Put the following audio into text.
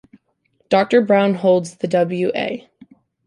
Doctor Brown holds The W. A.